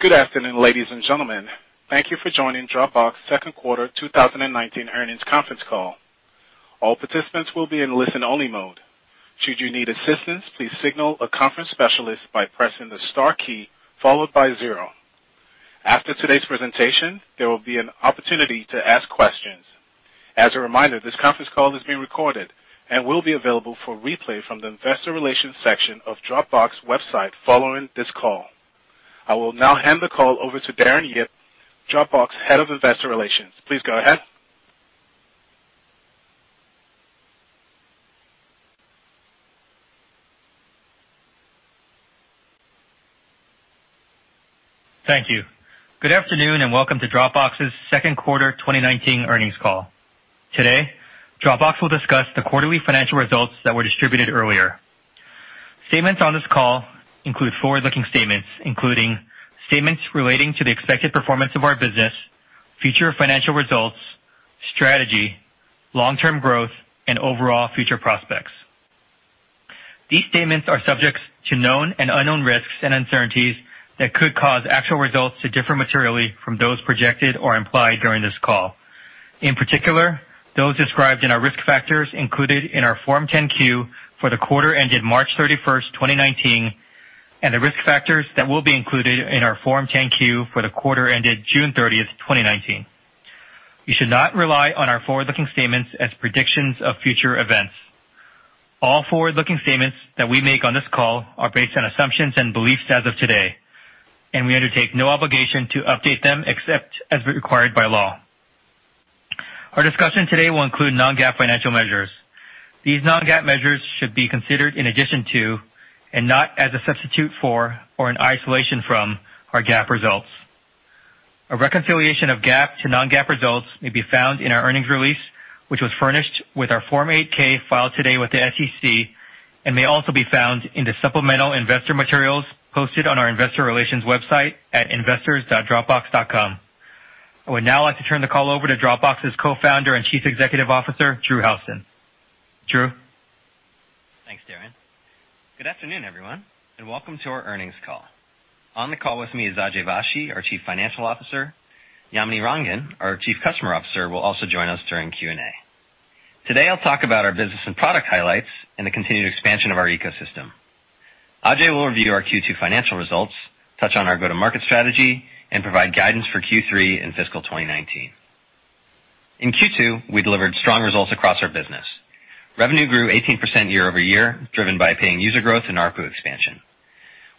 Good afternoon, ladies and gentlemen. Thank you for joining Dropbox second quarter 2019 earnings conference call. All participants will be in listen-only mode. Should you need assistance, please signal a conference specialist by pressing the star key followed by zero. After today's presentation, there will be an opportunity to ask questions. As a reminder, this conference call is being recorded and will be available for replay from the investor relations section of Dropbox website following this call. I will now hand the call over to Darren Yip, Dropbox Head of Investor Relations. Please go ahead. Thank you. Good afternoon, and welcome to Dropbox's second quarter 2019 earnings call. Today, Dropbox will discuss the quarterly financial results that were distributed earlier. Statements on this call include forward-looking statements, including statements relating to the expected performance of our business, future financial results, strategy, long-term growth, and overall future prospects. These statements are subject to known and unknown risks and uncertainties that could cause actual results to differ materially from those projected or implied during this call. In particular, those described in our risk factors included in our Form 10-Q for the quarter ended March 31, 2019, and the risk factors that will be included in our Form 10-Q for the quarter ended June 30, 2019. You should not rely on our forward-looking statements as predictions of future events. All forward-looking statements that we make on this call are based on assumptions and beliefs as of today, and we undertake no obligation to update them except as required by law. Our discussion today will include non-GAAP financial measures. These non-GAAP measures should be considered in addition to, and not as a substitute for or in isolation from, our GAAP results. A reconciliation of GAAP to non-GAAP results may be found in our earnings release, which was furnished with our Form 8-K filed today with the SEC and may also be found in the supplemental investor materials posted on our investor relations website at investors.dropbox.com. I would now like to turn the call over to Dropbox's Co-founder and Chief Executive Officer, Drew Houston. Drew? Thanks, Darren. Good afternoon, everyone, and welcome to our earnings call. On the call with me is Ajay Vashee, our Chief Financial Officer. Yamini Rangan, our Chief Customer Officer, will also join us during Q&A. Today, I'll talk about our business and product highlights and the continued expansion of our ecosystem. Ajay will review our Q2 financial results, touch on our go-to-market strategy, and provide guidance for Q3 in fiscal 2019. In Q2, we delivered strong results across our business. Revenue grew 18% year-over-year, driven by paying user growth and ARPU expansion.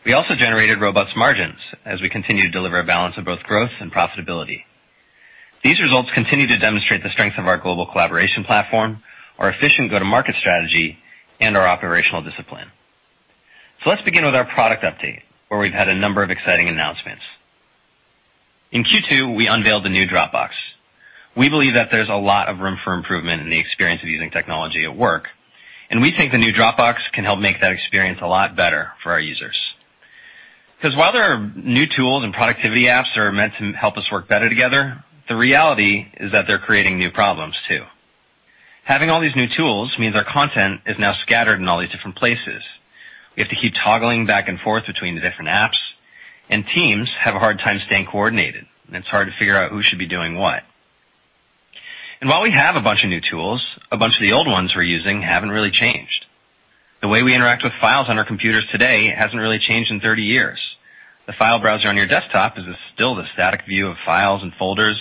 We also generated robust margins as we continue to deliver a balance of both growth and profitability. These results continue to demonstrate the strength of our global collaboration platform, our efficient go-to-market strategy, and our operational discipline. Let's begin with our product update, where we've had a number of exciting announcements. In Q2, we unveiled the new Dropbox. We believe that there's a lot of room for improvement in the experience of using technology at work, and we think the new Dropbox can help make that experience a lot better for our users. While there are new tools and productivity apps are meant to help us work better together, the reality is that they're creating new problems, too. Having all these new tools means our content is now scattered in all these different places. We have to keep toggling back and forth between the different apps, and teams have a hard time staying coordinated, and it's hard to figure out who should be doing what. While we have a bunch of new tools, a bunch of the old ones we're using haven't really changed. The way we interact with files on our computers today hasn't really changed in 30 years. The file browser on your desktop is still the static view of files and folders,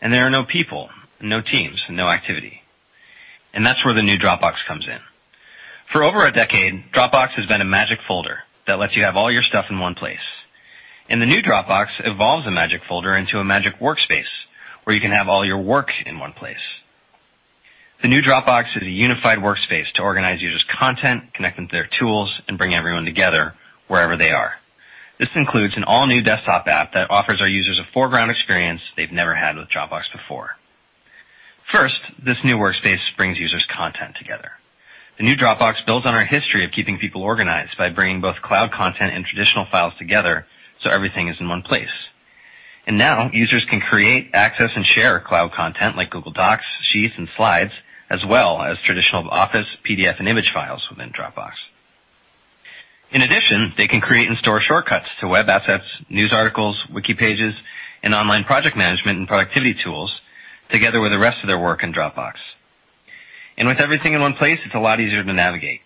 and there are no people, no teams, and no activity. That's where the new Dropbox comes in. For over a decade, Dropbox has been a magic folder that lets you have all your stuff in one place. The new Dropbox evolves the magic folder into a magic workspace, where you can have all your work in one place. The new Dropbox is a unified workspace to organize users' content, connect them to their tools, and bring everyone together wherever they are. This includes an all-new desktop app that offers our users a foreground experience they've never had with Dropbox before. First, this new workspace brings users' content together. The new Dropbox builds on our history of keeping people organized by bringing both cloud content and traditional files together so everything is in one place. Now users can create, access, and share cloud content like Google Docs, Sheets, and Slides, as well as traditional Office, PDF, and image files within Dropbox. In addition, they can create and store shortcuts to web assets, news articles, wiki pages, and online project management and productivity tools together with the rest of their work in Dropbox. With everything in one place, it's a lot easier to navigate.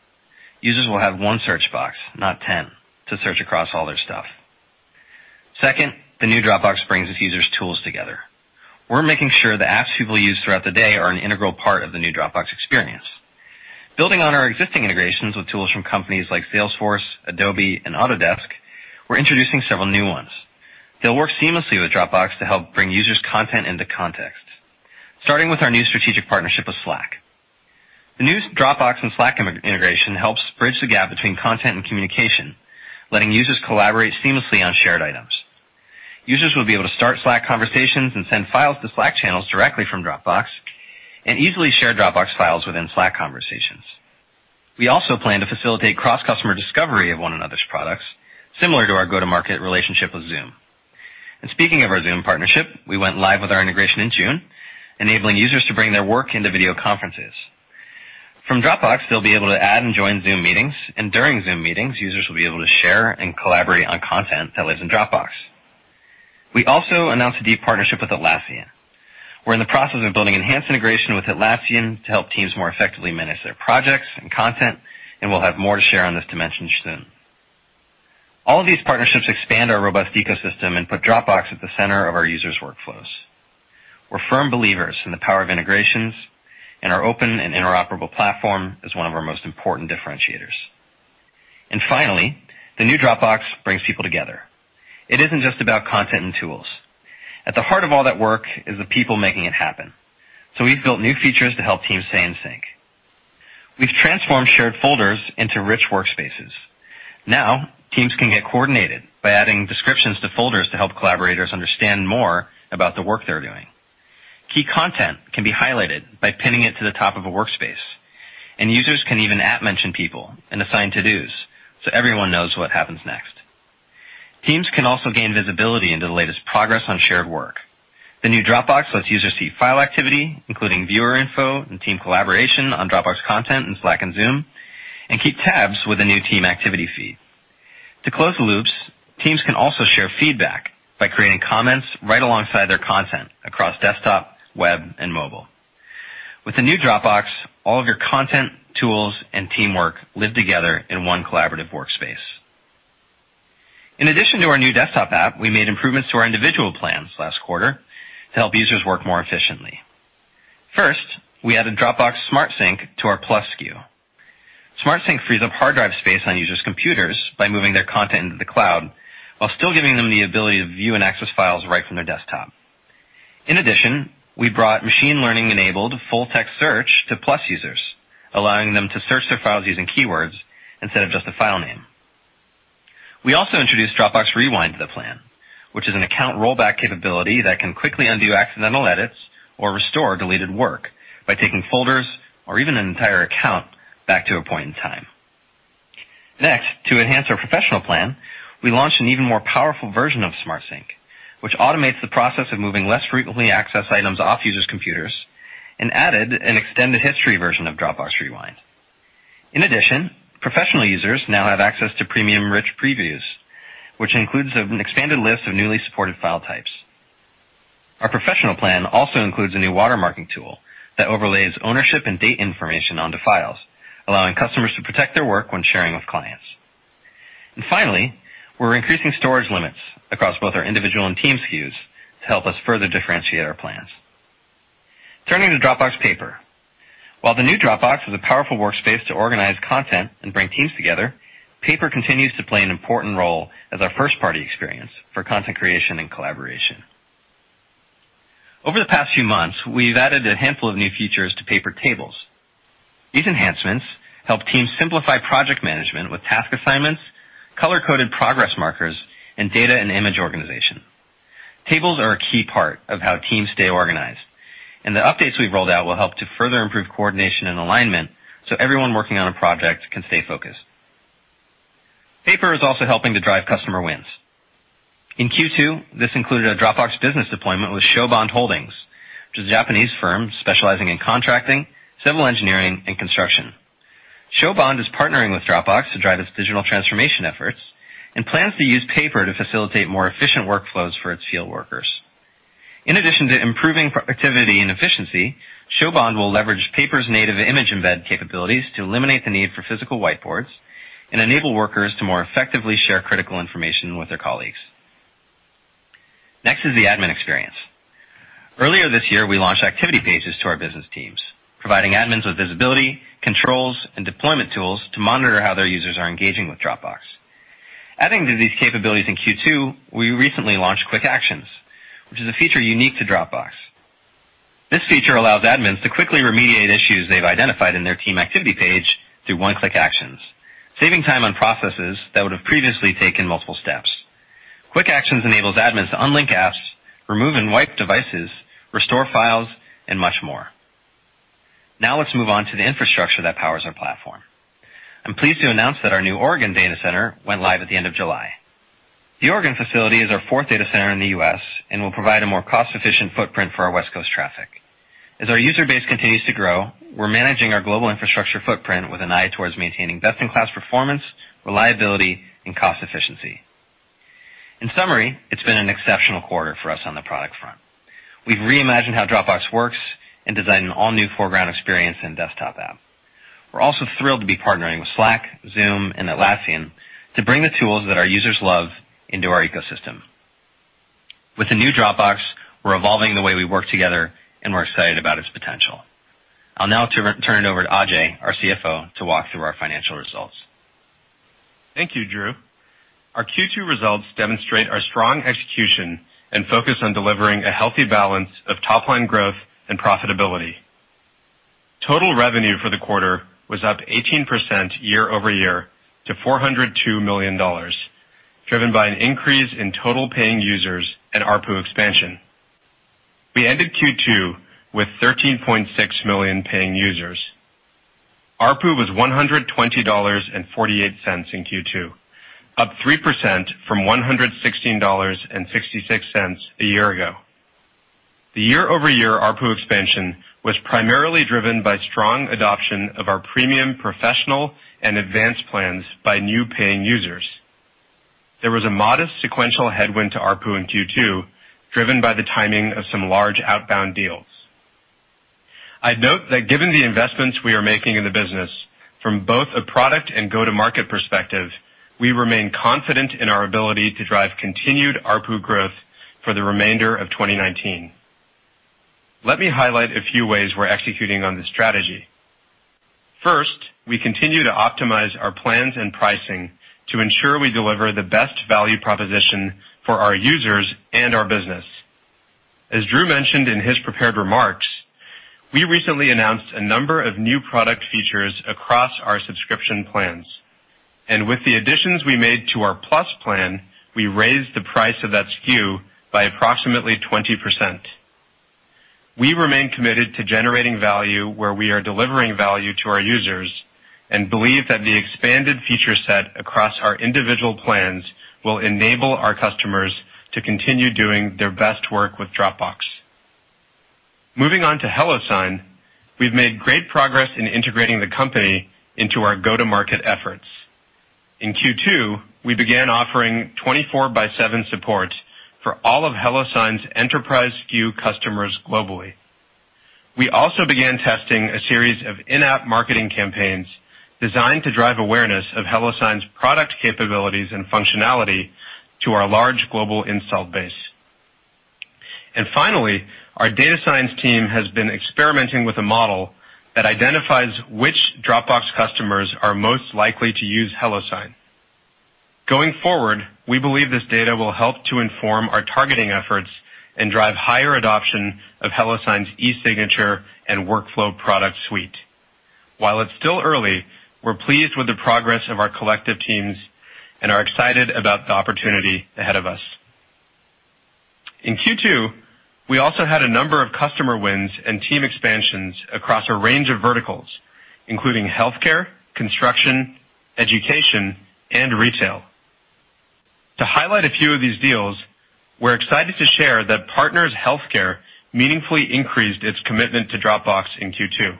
Users will have one search box, not 10, to search across all their stuff. Second, the new Dropbox brings its users' tools together. We're making sure the apps people use throughout the day are an integral part of the new Dropbox experience. Building on our existing integrations with tools from companies like Salesforce, Adobe, and Autodesk, we're introducing several new ones. They'll work seamlessly with Dropbox to help bring users' content into context, starting with our new strategic partnership with Slack. The new Dropbox and Slack integration helps bridge the gap between content and communication, letting users collaborate seamlessly on shared items. Users will be able to start Slack conversations and send files to Slack channels directly from Dropbox and easily share Dropbox files within Slack conversations. We also plan to facilitate cross-customer discovery of one another's products, similar to our go-to-market relationship with Zoom. Speaking of our Zoom partnership, we went live with our integration in June, enabling users to bring their work into video conferences. From Dropbox, they'll be able to add and join Zoom meetings, and during Zoom meetings, users will be able to share and collaborate on content that lives in Dropbox. We also announced a deep partnership with Atlassian. We're in the process of building enhanced integration with Atlassian to help teams more effectively manage their projects and content, and we'll have more to share on this dimension soon. All of these partnerships expand our robust ecosystem and put Dropbox at the center of our users' workflows. We're firm believers in the power of integrations, and our open and interoperable platform is one of our most important differentiators. Finally, the new Dropbox brings people together. It isn't just about content and tools. At the heart of all that work is the people making it happen. We've built new features to help teams stay in sync. We've transformed shared folders into rich workspaces. Now, teams can get coordinated by adding descriptions to folders to help collaborators understand more about the work they're doing. Key content can be highlighted by pinning it to the top of a workspace, and users can even @mention people and assign to-dos, so everyone knows what happens next. Teams can also gain visibility into the latest progress on shared work. The new Dropbox lets users see file activity, including viewer info and team collaboration on Dropbox content in Slack and Zoom, and keep tabs with the new team activity feed. To close the loops, teams can also share feedback by creating comments right alongside their content across desktop, web, and mobile. With the new Dropbox, all of your content, tools, and teamwork live together in one collaborative workspace. In addition to our new desktop app, we made improvements to our individual plans last quarter to help users work more efficiently. First, we added Dropbox Smart Sync to our Plus SKU. Smart Sync frees up hard drive space on users' computers by moving their content into the cloud while still giving them the ability to view and access files right from their desktop. In addition, we brought machine learning-enabled full-text search to Plus users, allowing them to search their files using keywords instead of just a file name. We also introduced Dropbox Rewind to the plan, which is an account rollback capability that can quickly undo accidental edits or restore deleted work by taking folders, or even an entire account, back to a point in time. Next, to enhance our professional plan, we launched an even more powerful version of Smart Sync, which automates the process of moving less frequently accessed items off users' computers and added an extended history version of Dropbox Rewind. In addition, professional users now have access to premium rich previews, which includes an expanded list of newly supported file types. Our professional plan also includes a new watermarking tool that overlays ownership and date information onto files, allowing customers to protect their work when sharing with clients. Finally, we're increasing storage limits across both our individual and team SKUs to help us further differentiate our plans. Turning to Dropbox Paper. While the new Dropbox is a powerful workspace to organize content and bring teams together, Paper continues to play an important role as our first-party experience for content creation and collaboration. Over the past few months, we've added a handful of new features to Paper tables. These enhancements help teams simplify project management with task assignments, color-coded progress markers, and data and image organization. Tables are a key part of how teams stay organized, and the updates we've rolled out will help to further improve coordination and alignment so everyone working on a project can stay focused. Paper is also helping to drive customer wins. In Q2, this included a Dropbox Business deployment with SHO-BOND Holdings, which is a Japanese firm specializing in contracting, civil engineering, and construction. SHO-BOND Holdings is partnering with Dropbox to drive its digital transformation efforts and plans to use Paper to facilitate more efficient workflows for its field workers. In addition to improving productivity and efficiency, SHO-BOND will leverage Paper's native image embed capabilities to eliminate the need for physical whiteboards and enable workers to more effectively share critical information with their colleagues. Next is the admin experience. Earlier this year, we launched activity pages to our business teams, providing admins with visibility, controls, and deployment tools to monitor how their users are engaging with Dropbox. Adding to these capabilities in Q2, we recently launched Quick Actions, which is a feature unique to Dropbox. This feature allows admins to quickly remediate issues they've identified in their team activity page through one-click actions, saving time on processes that would have previously taken multiple steps. Quick Actions enables admins to unlink apps, remove and wipe devices, restore files, and much more. Now let's move on to the infrastructure that powers our platform. I'm pleased to announce that our new Oregon data center went live at the end of July. The Oregon facility is our fourth data center in the U.S. and will provide a more cost-efficient footprint for our West Coast traffic. As our user base continues to grow, we're managing our global infrastructure footprint with an eye towards maintaining best-in-class performance, reliability, and cost efficiency. In summary, it's been an exceptional quarter for us on the product front. We've reimagined how Dropbox works and designed an all-new foreground experience and desktop app. We're also thrilled to be partnering with Slack, Zoom, and Atlassian to bring the tools that our users love into our ecosystem. With the new Dropbox, we're evolving the way we work together, and we're excited about its potential. I'll now turn it over to Ajay, our CFO, to walk through our financial results. Thank you, Drew. Our Q2 results demonstrate our strong execution and focus on delivering a healthy balance of top-line growth and profitability. Total revenue for the quarter was up 18% year-over-year to $402 million, driven by an increase in total paying users and ARPU expansion. We ended Q2 with 13.6 million paying users. ARPU was $120.48 in Q2, up 3% from $116.66 a year ago. The year-over-year ARPU expansion was primarily driven by strong adoption of our premium professional and advanced plans by new paying users. There was a modest sequential headwind to ARPU in Q2, driven by the timing of some large outbound deals. I'd note that given the investments we are making in the business from both a product and go-to-market perspective, we remain confident in our ability to drive continued ARPU growth for the remainder of 2019. Let me highlight a few ways we're executing on this strategy. First, we continue to optimize our plans and pricing to ensure we deliver the best value proposition for our users and our business. As Drew mentioned in his prepared remarks, we recently announced a number of new product features across our subscription plans. With the additions we made to our Plus plan, we raised the price of that SKU by approximately 20%. We remain committed to generating value where we are delivering value to our users and believe that the expanded feature set across our individual plans will enable our customers to continue doing their best work with Dropbox. Moving on to HelloSign, we've made great progress in integrating the company into our go-to-market efforts. In Q2, we began offering 24 by seven support for all of HelloSign's enterprise SKU customers globally. We also began testing a series of in-app marketing campaigns designed to drive awareness of HelloSign's product capabilities and functionality to our large global install base. Finally, our data science team has been experimenting with a model that identifies which Dropbox customers are most likely to use HelloSign. Going forward, we believe this data will help to inform our targeting efforts and drive higher adoption of HelloSign's e-signature and workflow product suite. While it's still early, we're pleased with the progress of our collective teams and are excited about the opportunity ahead of us. In Q2, we also had a number of customer wins and team expansions across a range of verticals, including healthcare, construction, education, and retail. To highlight a few of these deals, we're excited to share that Partners HealthCare meaningfully increased its commitment to Dropbox in Q2.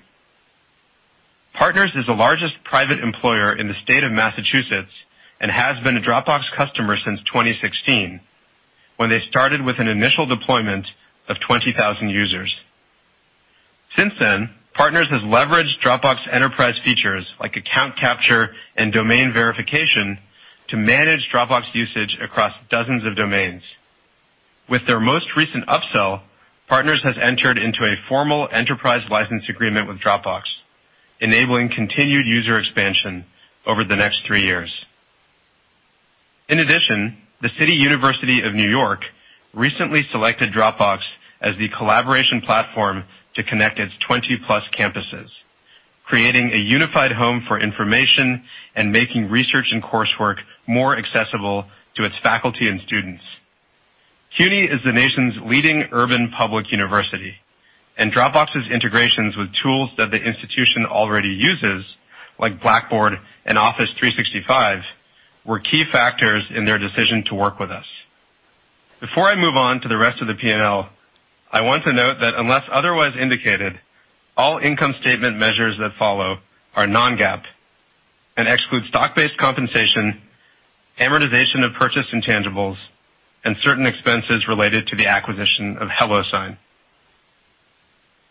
Partners is the largest private employer in the state of Massachusetts and has been a Dropbox customer since 2016 when they started with an initial deployment of 20,000 users. Since then, Partners has leveraged Dropbox enterprise features like account capture and domain verification to manage Dropbox usage across dozens of domains. With their most recent upsell, Partners has entered into a formal enterprise license agreement with Dropbox, enabling continued user expansion over the next three years. In addition, the City University of New York recently selected Dropbox as the collaboration platform to connect its 20-plus campuses, creating a unified home for information and making research and coursework more accessible to its faculty and students. CUNY is the nation's leading urban public university, and Dropbox's integrations with tools that the institution already uses, like Blackboard and Office 365, were key factors in their decision to work with us. Before I move on to the rest of the P&L, I want to note that unless otherwise indicated, all income statement measures that follow are non-GAAP and exclude stock-based compensation, amortization of purchased intangibles, and certain expenses related to the acquisition of HelloSign.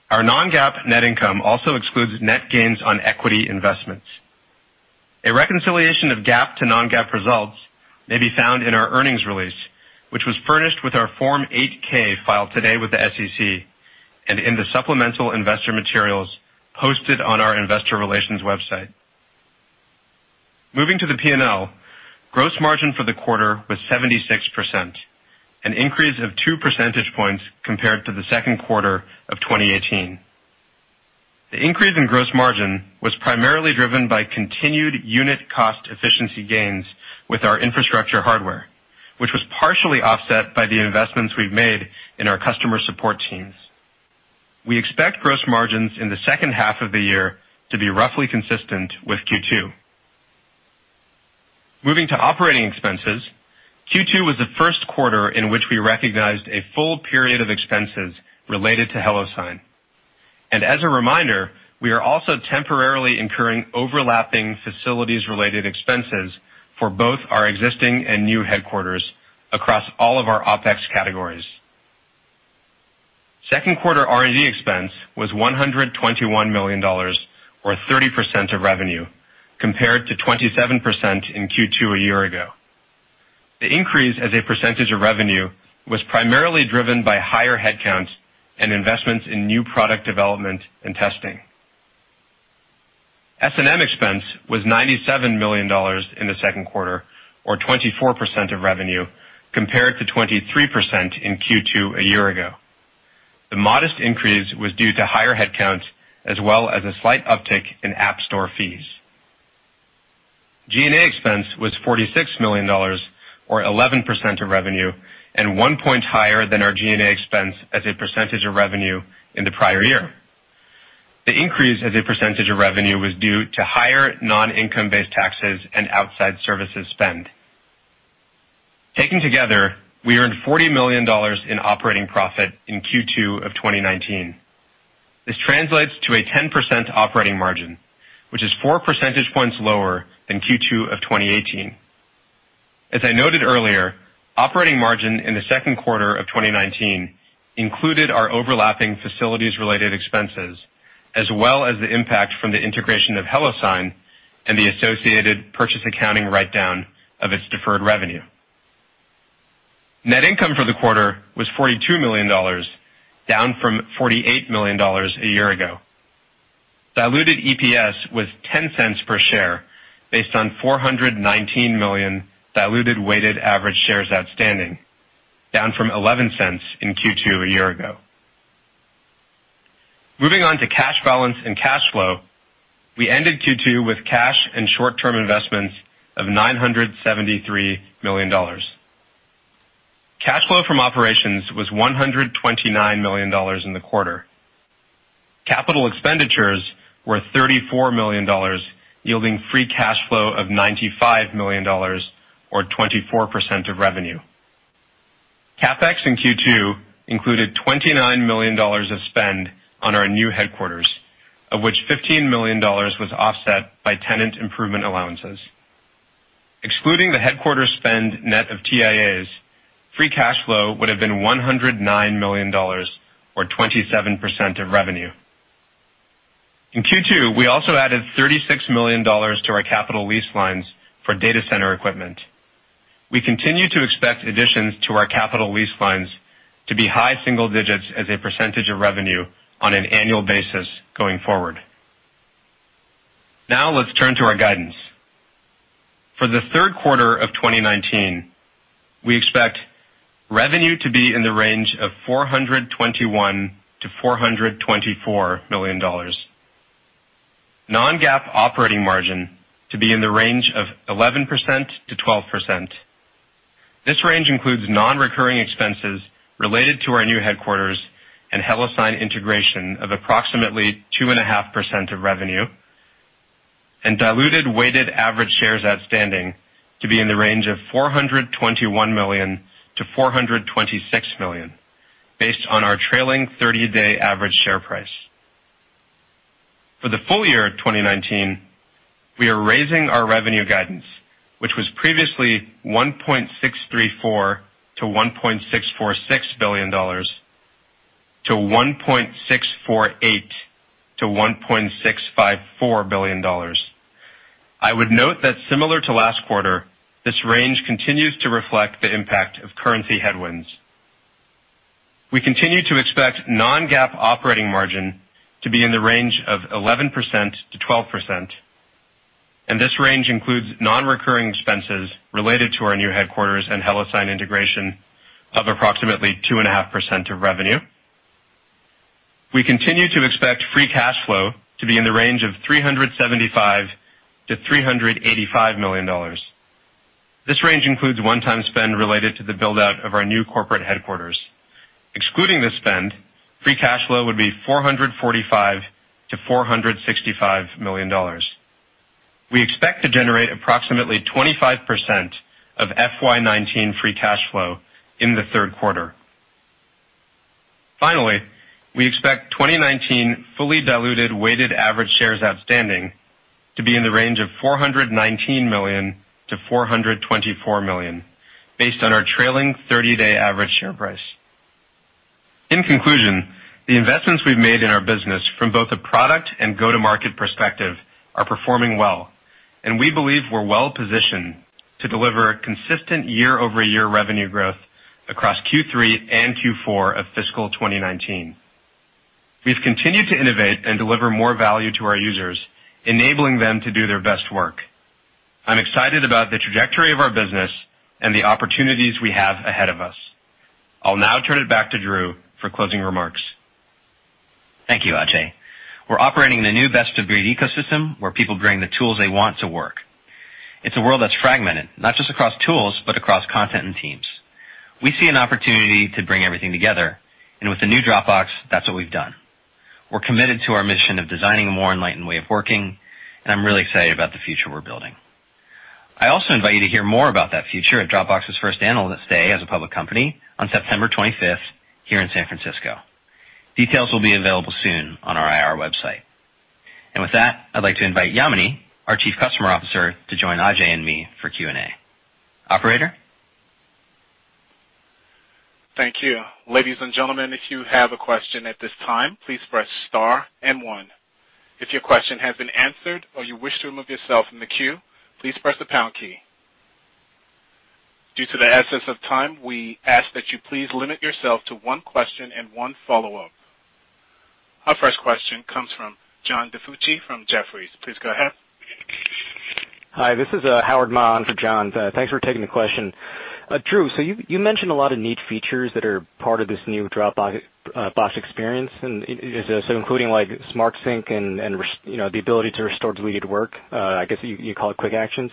Our non-GAAP net income also excludes net gains on equity investments. A reconciliation of GAAP to non-GAAP results may be found in our earnings release, which was furnished with our Form 8-K filed today with the SEC and in the supplemental investor materials hosted on our investor relations website. Moving to the P&L, gross margin for the quarter was 76%, an increase of two percentage points compared to the second quarter of 2018. The increase in gross margin was primarily driven by continued unit cost efficiency gains with our infrastructure hardware, which was partially offset by the investments we've made in our customer support teams. We expect gross margins in the second half of the year to be roughly consistent with Q2. Moving to operating expenses, Q2 was the first quarter in which we recognized a full period of expenses related to HelloSign. As a reminder, we are also temporarily incurring overlapping facilities-related expenses for both our existing and new headquarters across all of our OpEx categories. Second quarter R&D expense was $121 million, or 30% of revenue, compared to 27% in Q2 a year ago. The increase as a percentage of revenue was primarily driven by higher headcounts and investments in new product development and testing. S&M expense was $97 million in the second quarter, or 24% of revenue, compared to 23% in Q2 a year ago. The modest increase was due to higher headcount, as well as a slight uptick in App Store fees. G&A expense was $46 million, or 11% of revenue, and one point higher than our G&A expense as a percentage of revenue in the prior year. The increase as a percentage of revenue was due to higher non-income-based taxes and outside services spend. Taken together, we earned $40 million in operating profit in Q2 of 2019. This translates to a 10% operating margin, which is four percentage points lower than Q2 of 2018. As I noted earlier, operating margin in the second quarter of 2019 included our overlapping facilities-related expenses as well as the impact from the integration of HelloSign and the associated purchase accounting write-down of its deferred revenue. Net income for the quarter was $42 million, down from $48 million a year ago. Diluted EPS was $0.10 per share based on 419 million diluted weighted average shares outstanding, down from $0.11 in Q2 a year ago. Moving on to cash balance and cash flow, we ended Q2 with cash and short-term investments of $973 million. Cash flow from operations was $129 million in the quarter. Capital expenditures were $34 million, yielding free cash flow of $95 million or 24% of revenue. CapEx in Q2 included $29 million of spend on our new headquarters, of which $15 million was offset by tenant improvement allowances. Excluding the headquarters spend net of TIAs, free cash flow would have been $109 million or 27% of revenue. In Q2, we also added $36 million to our capital lease lines for data center equipment. We continue to expect additions to our capital lease lines to be high single digits as a percentage of revenue on an annual basis going forward. Let's turn to our guidance. For the third quarter of 2019, we expect revenue to be in the range of $421 million-$424 million, non-GAAP operating margin to be in the range of 11%-12%. This range includes non-recurring expenses related to our new headquarters and HelloSign integration of approximately 2.5% of revenue, and diluted weighted average shares outstanding to be in the range of 421 million-426 million based on our trailing 30-day average share price. For the full year of 2019, we are raising our revenue guidance, which was previously $1.634 billion-$1.646 billion to $1.648 billion-$1.654 billion. I would note that similar to last quarter, this range continues to reflect the impact of currency headwinds. We continue to expect non-GAAP operating margin to be in the range of 11%-12%, and this range includes non-recurring expenses related to our new headquarters and HelloSign integration of approximately 2.5% of revenue. We continue to expect free cash flow to be in the range of $375 million-$385 million. This range includes one-time spend related to the build-out of our new corporate headquarters. Excluding this spend, free cash flow would be $445 million-$465 million. We expect to generate approximately 25% of FY 2019 free cash flow in the third quarter. Finally, we expect 2019 fully diluted weighted average shares outstanding to be in the range of 419 million-424 million based on our trailing 30-day average share price. In conclusion, the investments we've made in our business from both a product and go-to-market perspective are performing well, and we believe we're well-positioned to deliver consistent year-over-year revenue growth across Q3 and Q4 of fiscal 2019. We've continued to innovate and deliver more value to our users, enabling them to do their best work. I'm excited about the trajectory of our business and the opportunities we have ahead of us. I'll now turn it back to Drew for closing remarks. Thank you, Ajay. We're operating in a new best-of-breed ecosystem where people bring the tools they want to work. It's a world that's fragmented, not just across tools, but across content and teams. We see an opportunity to bring everything together. With the new Dropbox, that's what we've done. We're committed to our mission of designing a more enlightened way of working. I'm really excited about the future we're building. I also invite you to hear more about that future at Dropbox's first Analyst Day as a public company on September 25th, here in San Francisco. Details will be available soon on our IR website. With that, I'd like to invite Yamini, our Chief Customer Officer, to join Ajay and me for Q&A. Operator? Thank you. Ladies and gentlemen, if you have a question at this time, please press star and one. If your question has been answered or you wish to remove yourself from the queue, please press the # key. Due to the essence of time, we ask that you please limit yourself to one question and one follow-up. Our first question comes from John DiFucci from Jefferies. Please go ahead. Hi, this is Howard Mann for John. Thanks for taking the question. Drew, you mentioned a lot of neat features that are part of this new Dropbox experience, including like Smart Sync and the ability to restore deleted work, I guess, you call it Quick Actions.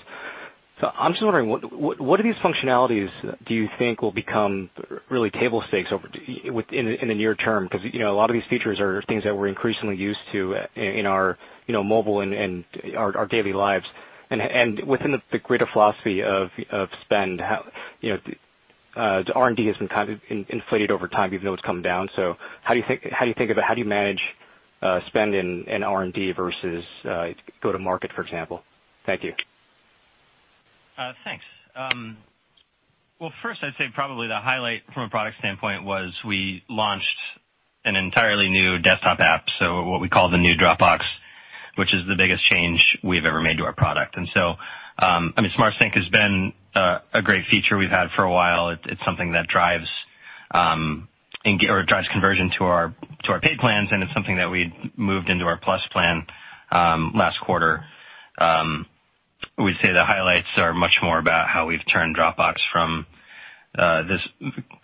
I'm just wondering, what of these functionalities do you think will become really table stakes in the near term? A lot of these features are things that we're increasingly used to in our mobile and our daily lives. Within the greater philosophy of spend, how do- The R&D has been kind of inflated over time, even though it's come down. How do you manage spend in R&D versus go-to-market, for example? Thank you. Thanks. Well, first, I'd say probably the highlight from a product standpoint was we launched an entirely new desktop app, so what we call the new Dropbox, which is the biggest change we've ever made to our product. I mean, Smart Sync has been a great feature we've had for a while. It's something that drives conversion to our paid plans, and it's something that we moved into our Plus plan last quarter. I would say the highlights are much more about how we've turned Dropbox from this,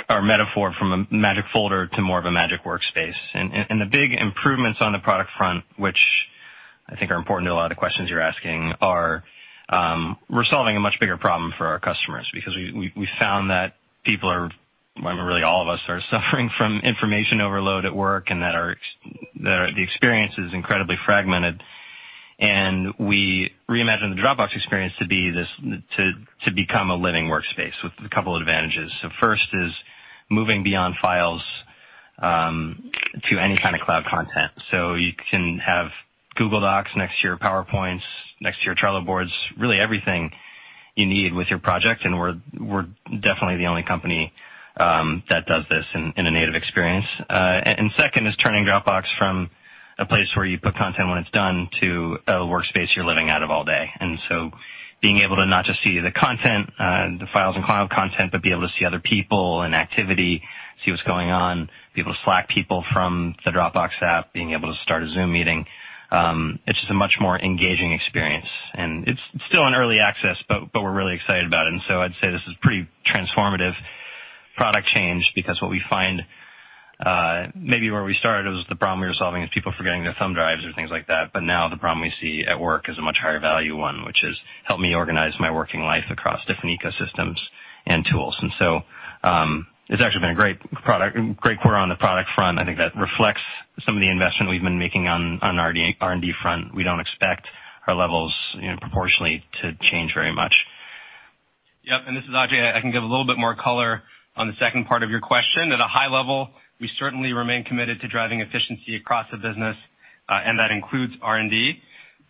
our metaphor from a magic folder to more of a magic workspace. The big improvements on the product front, which I think are important to a lot of questions you're asking are, we're solving a much bigger problem for our customers because we found that people are, well, really all of us are suffering from information overload at work and that the experience is incredibly fragmented. We reimagined the Dropbox experience to become a living workspace with a couple of advantages. First is moving beyond files to any kind of cloud content. You can have Google Docs next to your PowerPoints, next to your Trello boards, really everything you need with your project, and we're definitely the only company that does this in a native experience. Second is turning Dropbox from a place where you put content when it's done to a workspace you're living out of all day. Being able to not just see the content, the files and cloud content, but be able to see other people and activity, see what's going on, be able to Slack people from the Dropbox app, being able to start a Zoom meeting, it's just a much more engaging experience. It's still in early access, but we're really excited about it. I'd say this is pretty transformative product change because what we find, maybe where we started was the problem we were solving is people forgetting their thumb drives or things like that. Now the problem we see at work is a much higher value one, which is help me organize my working life across different ecosystems and tools. It's actually been a great quarter on the product front. I think that reflects some of the investment we've been making on R&D front. We don't expect our levels proportionally to change very much. Yep, this is Ajay. I can give a little bit more color on the second part of your question. At a high level, we certainly remain committed to driving efficiency across the business. That includes R&D.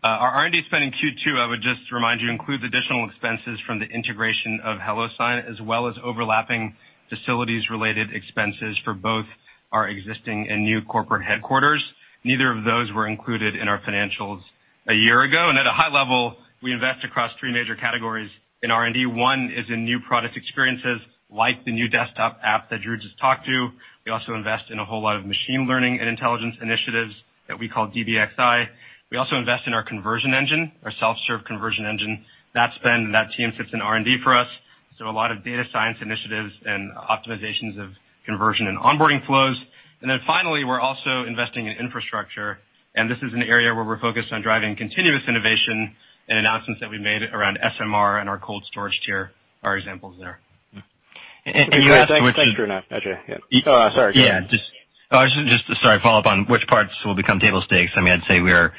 Our R&D spend in Q2, I would just remind you, includes additional expenses from the integration of HelloSign, as well as overlapping facilities related expenses for both our existing and new corporate headquarters. Neither of those were included in our financials a year ago. At a high level, we invest across three major categories in R&D. One is in new product experiences like the new desktop app that Drew just talked to. We also invest in a whole lot of machine learning and intelligence initiatives that we call DBXi. We also invest in our conversion engine, our self-serve conversion engine. That spend and that team sits in R&D for us. A lot of data science initiatives and optimizations of conversion and onboarding flows. Finally, we're also investing in infrastructure, and this is an area where we're focused on driving continuous innovation and announcements that we made around SMR and our cold storage tier are examples there. And can you ask- Thanks, Drew and Ajay. Yeah. Oh, sorry, go ahead. Yeah, just sorry, follow up on which parts will become table stakes. I mean, I'd say we're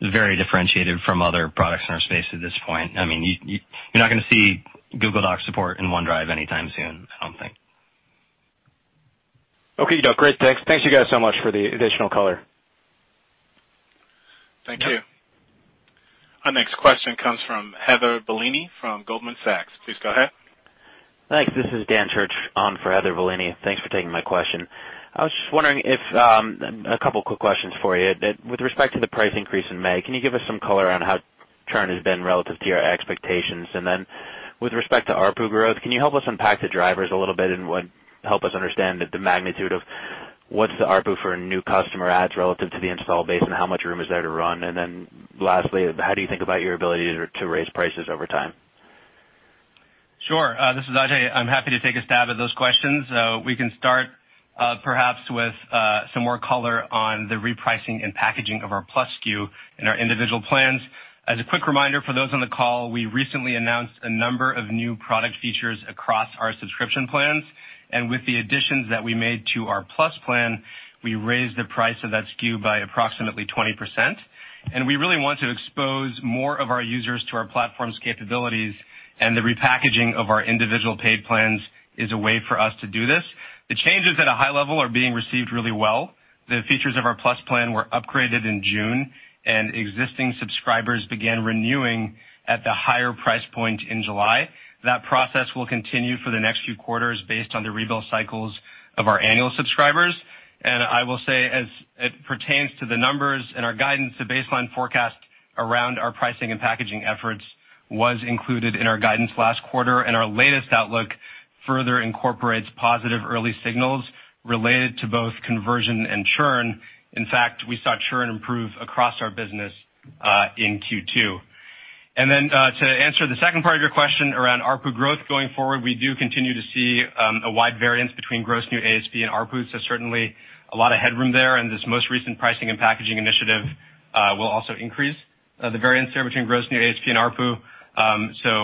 very differentiated from other products in our space at this point. I mean, you're not going to see Google Doc support in OneDrive anytime soon, I don't think. Okay, you got it. Great. Thanks. Thank you guys so much for the additional color. Thank you. Our next question comes from Heather Bellini from Goldman Sachs. Please go ahead. Thanks. This is Dan Church on for Heather Bellini. Thanks for taking my question. I was just wondering, a couple of quick questions for you. With respect to the price increase in May, can you give us some color on how churn has been relative to your expectations? With respect to ARPU growth, can you help us unpack the drivers a little bit and help us understand the magnitude of what's the ARPU for new customer adds relative to the install base and how much room is there to run? Lastly, how do you think about your ability to raise prices over time? Sure. This is Ajay. I'm happy to take a stab at those questions. We can start perhaps with some more color on the repricing and packaging of our Plus SKU and our individual plans. As a quick reminder for those on the call, we recently announced a number of new product features across our subscription plans. With the additions that we made to our Plus plan, we raised the price of that SKU by approximately 20%. We really want to expose more of our users to our platform's capabilities, and the repackaging of our individual paid plans is a way for us to do this. The changes at a high level are being received really well. The features of our Plus plan were upgraded in June, and existing subscribers began renewing at the higher price point in July. That process will continue for the next few quarters based on the rebuild cycles of our annual subscribers. I will say, as it pertains to the numbers and our guidance, the baseline forecast around our pricing and packaging efforts was included in our guidance last quarter, our latest outlook further incorporates positive early signals related to both conversion and churn. In fact, we saw churn improve across our business in Q2. To answer the second part of your question around ARPU growth going forward, we do continue to see a wide variance between gross new ASP and ARPU. Certainly, a lot of headroom there, this most recent pricing and packaging initiative will also increase the variance there between gross new ASP and ARPU.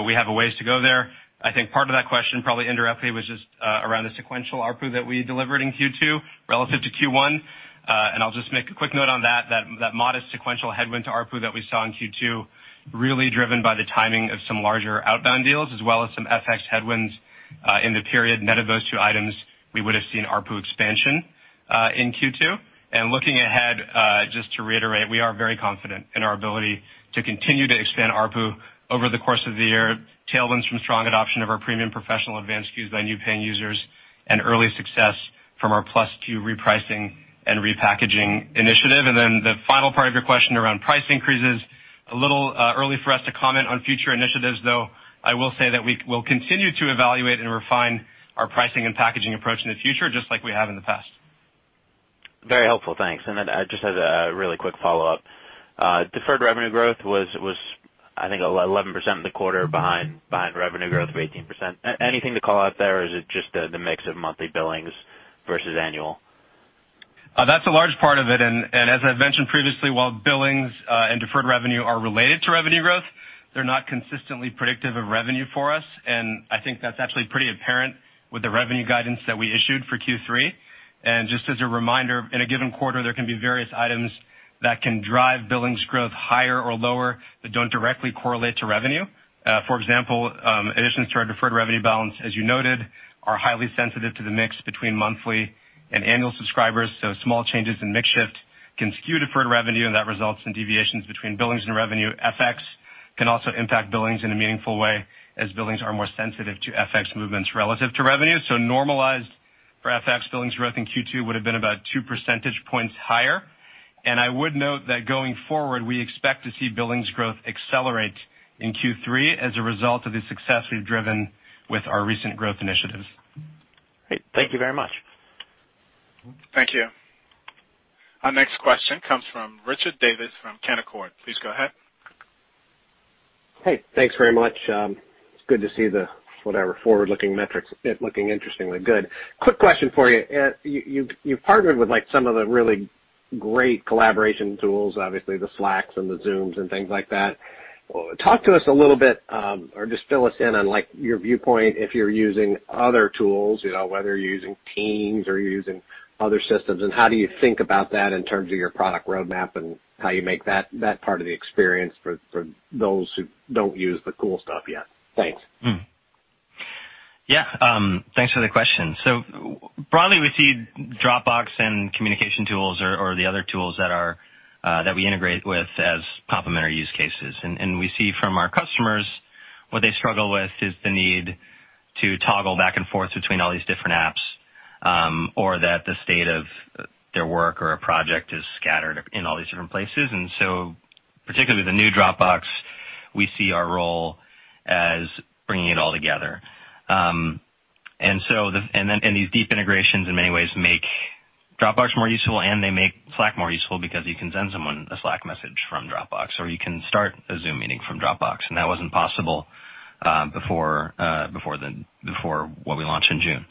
We have a ways to go there. I think part of that question probably indirectly was just around the sequential ARPU that we delivered in Q2 relative to Q1. I'll just make a quick note on that modest sequential headwind to ARPU that we saw in Q2 really driven by the timing of some larger outbound deals, as well as some FX headwinds. In the period net of those two items, we would have seen ARPU expansion in Q2. Looking ahead, just to reiterate, we are very confident in our ability to continue to expand ARPU over the course of the year, tailwinds from strong adoption of our premium professional advanced SKUs by new paying users, and early success from our Plus two repricing and repackaging initiative. The final part of your question around price increases, a little early for us to comment on future initiatives, though I will say that we'll continue to evaluate and refine our pricing and packaging approach in the future, just like we have in the past. Very helpful. Thanks. Then I just had a really quick follow-up. Deferred revenue growth was I think 11% of the quarter behind revenue growth of 18%. Anything to call out there, or is it just the mix of monthly billings versus annual? That's a large part of it, and as I've mentioned previously, while billings, and deferred revenue are related to revenue growth, they're not consistently predictive of revenue for us. I think that's actually pretty apparent with the revenue guidance that we issued for Q3. Just as a reminder, in a given quarter, there can be various items that can drive billings growth higher or lower, but don't directly correlate to revenue. For example, additions to our deferred revenue balance, as you noted, are highly sensitive to the mix between monthly and annual subscribers, so small changes in mix shift can skew deferred revenue, and that results in deviations between billings and revenue. FX can also impact billings in a meaningful way, as billings are more sensitive to FX movements relative to revenue. Normalized for FX, billings growth in Q2 would have been about two percentage points higher. I would note that going forward, we expect to see billings growth accelerate in Q3 as a result of the success we've driven with our recent growth initiatives. Great. Thank you very much. Thank you. Our next question comes from Richard Davis from Canaccord. Please go ahead. Hey, thanks very much. It's good to see the, whatever, forward-looking metrics looking interestingly good. Quick question for you. You've partnered with some of the really great collaboration tools, obviously, the Slacks and the Zooms and things like that. Talk to us a little bit, or just fill us in on your viewpoint, if you're using other tools, whether you're using Teams or you're using other systems, and how do you think about that in terms of your product roadmap and how you make that part of the experience for those who don't use the cool stuff yet? Thanks. Yeah. Thanks for the question. Broadly, we see Dropbox and communication tools or the other tools that we integrate with as complementary use cases. We see from our customers what they struggle with is the need to toggle back and forth between all these different apps, or that the state of their work or a project is scattered in all these different places. Particularly the new Dropbox, we see our role as bringing it all together. These deep integrations in many ways make Dropbox more useful, and they make Slack more useful because you can send someone a Slack message from Dropbox, or you can start a Zoom meeting from Dropbox, and that wasn't possible before what we launched in June.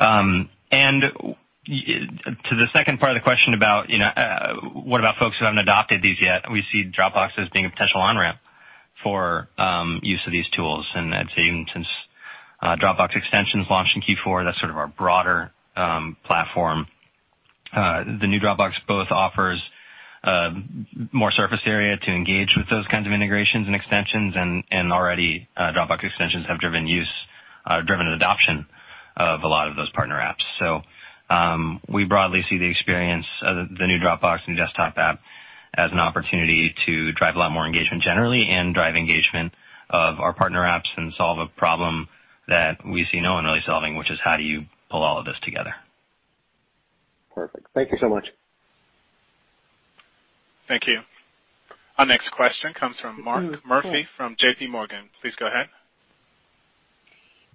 To the second part of the question about what about folks who haven't adopted these yet, we see Dropbox as being a potential on-ramp for use of these tools. I'd say even since Dropbox Extensions launched in Q4, that's sort of our broader platform. The new Dropbox both offers more surface area to engage with those kinds of integrations and extensions, and already Dropbox Extensions have driven adoption of a lot of those partner apps. We broadly see the experience of the new Dropbox and desktop app as an opportunity to drive a lot more engagement generally and drive engagement of our partner apps and solve a problem that we see no one really solving, which is how do you pull all of this together? Perfect. Thank you so much. Thank you. Our next question comes from Mark Murphy from JPMorgan. Please go ahead.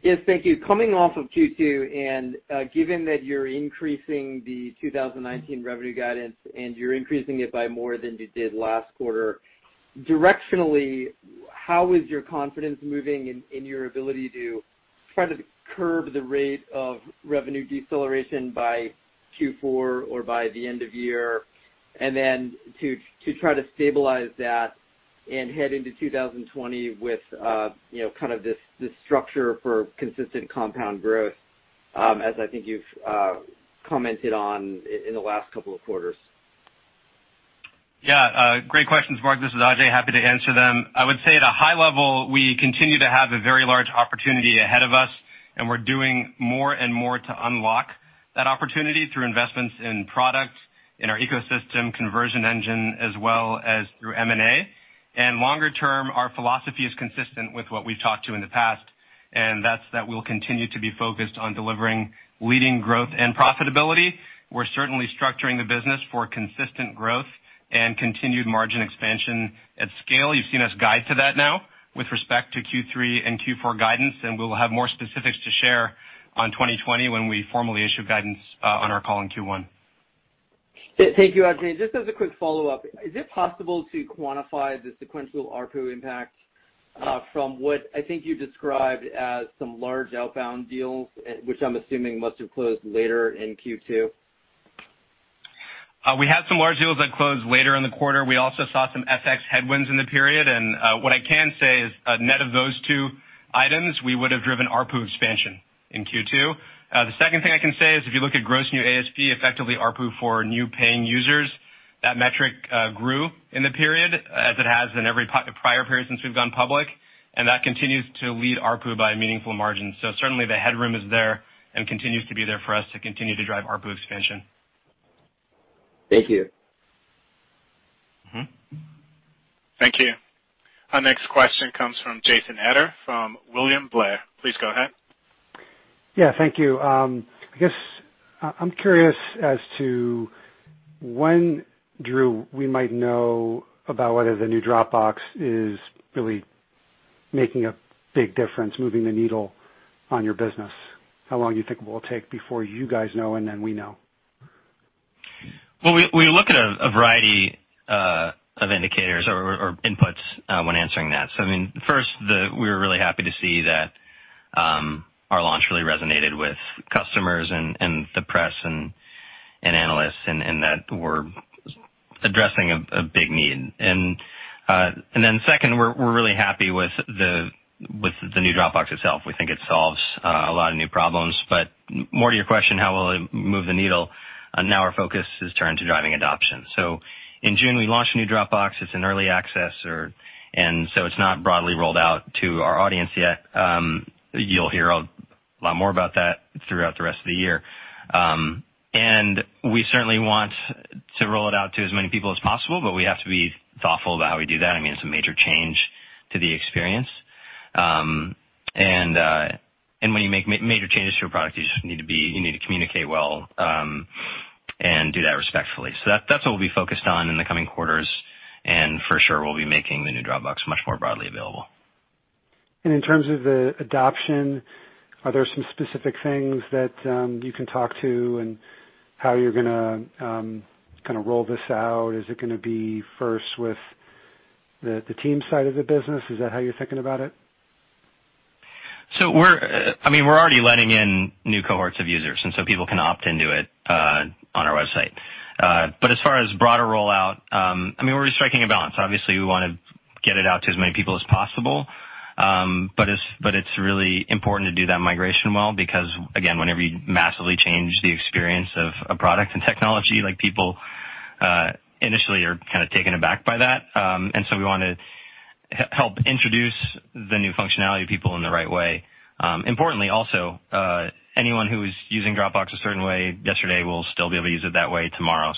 Yes, thank you. Coming off of Q2, and given that you're increasing the 2019 revenue guidance, and you're increasing it by more than you did last quarter, directionally, how is your confidence moving in your ability to try to curb the rate of revenue deceleration by Q4 or by the end of year, and then to try to stabilize that and head into 2020 with this structure for consistent compound growth, as I think you've commented on in the last couple of quarters? Yeah. Great questions, Mark. This is Ajay. Happy to answer them. I would say at a high level, we continue to have a very large opportunity ahead of us, and we're doing more and more to unlock that opportunity through investments in product, in our ecosystem conversion engine, as well as through M&A. Longer term, our philosophy is consistent with what we've talked to in the past, and that's that we'll continue to be focused on delivering leading growth and profitability. We're certainly structuring the business for consistent growth and continued margin expansion at scale. You've seen us guide to that now with respect to Q3 and Q4 guidance, and we'll have more specifics to share on 2020 when we formally issue guidance on our call in Q1. Thank you, Ajay. Just as a quick follow-up, is it possible to quantify the sequential ARPU impact from what I think you described as some large outbound deals, which I'm assuming must have closed later in Q2? We had some large deals that closed later in the quarter. We also saw some FX headwinds in the period. What I can say is a net of those two items, we would have driven ARPU expansion in Q2. The second thing I can say is if you look at gross new ASP, effectively ARPU for new paying users. That metric grew in the period, as it has in every prior period since we've gone public, and that continues to lead ARPU by a meaningful margin. Certainly, the headroom is there and continues to be there for us to continue to drive ARPU expansion. Thank you. Thank you. Our next question comes from Jason Maynard from William Blair. Please go ahead. Thank you. I guess, I'm curious as to when, Drew, we might know about whether the new Dropbox is really making a big difference, moving the needle on your business. How long you think it will take before you guys know, and then we know? Well, we look at a variety of indicators or inputs when answering that. I mean, first, we were really happy to see that our launch really resonated with customers and the press, and analysts, and that we're addressing a big need. Then second, we're really happy with the new Dropbox itself. We think it solves a lot of new problems. More to your question, how will it move the needle? Now our focus is turned to driving adoption. In June, we launched a new Dropbox. It's in early access, it's not broadly rolled out to our audience yet. You'll hear a lot more about that throughout the rest of the year. We certainly want to roll it out to as many people as possible, but we have to be thoughtful about how we do that. I mean, it's a major change to the experience. When you make major changes to a product, you just need to communicate well, and do that respectfully. That's what we'll be focused on in the coming quarters, and for sure, we'll be making the new Dropbox much more broadly available. In terms of the adoption, are there some specific things that you can talk to and how you're going to kind of roll this out? Is it going to be first with the team side of the business? Is that how you're thinking about it? We're already letting in new cohorts of users, and so people can opt into it on our website. As far as broader rollout, I mean, we're just striking a balance. Obviously, we want to get it out to as many people as possible. But it's really important to do that migration well, because, again, whenever you massively change the experience of a product and technology, people initially are kind of taken aback by that. And so we want to help introduce the new functionality to people in the right way. Importantly, also, anyone who is using Dropbox a certain way yesterday will still be able to use it that way tomorrow.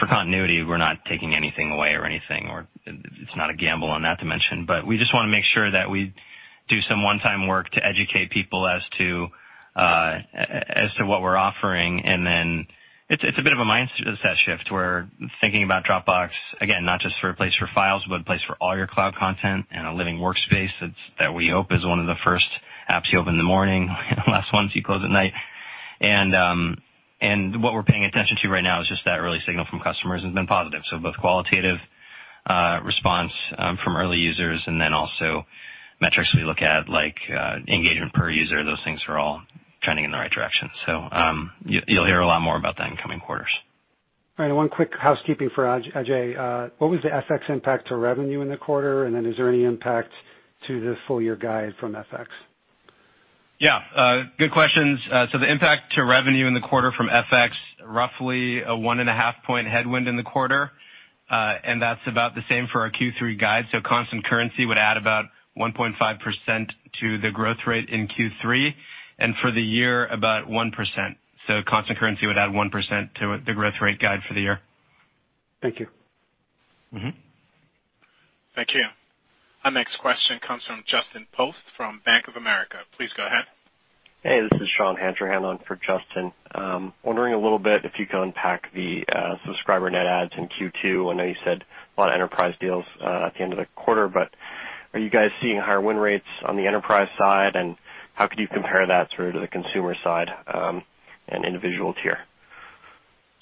For continuity, we're not taking anything away or anything, or it's not a gamble on that dimension, but we just want to make sure that we do some one-time work to educate people as to what we're offering, and then it's a bit of a mindset shift where thinking about Dropbox, again, not just for a place for files, but a place for all your cloud content and a living workspace that we hope is one of the first apps you open in the morning and last ones you close at night. What we're paying attention to right now is just that early signal from customers has been positive. Both qualitative response from early users, and then also metrics we look at like engagement per user. Those things are all trending in the right direction. You'll hear a lot more about that in coming quarters. All right. One quick housekeeping for Ajay. What was the FX impact to revenue in the quarter, and then is there any impact to the full year guide from FX? Yeah. Good questions. The impact to revenue in the quarter from FX, roughly a 1.5 point headwind in the quarter. That's about the same for our Q3 guide. Constant currency would add about 1.5% to the growth rate in Q3, and for the year, about 1%. Constant currency would add 1% to the growth rate guide for the year. Thank you. Thank you. Our next question comes from Justin Post from Bank of America. Please go ahead. Hey, this is Sean Hancher handling for Justin. I'm wondering a little bit if you could unpack the subscriber net adds in Q2. I know you said a lot of enterprise deals at the end of the quarter, but are you guys seeing higher win rates on the enterprise side, and how could you compare that sort of to the consumer side, and individual tier?